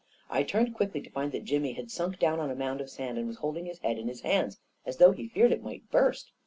I turned quickly to find that Jimmy had sunk down on a mound of sand and was holding his head in his hands as though he feared it might burst.